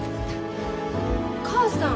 お母さん。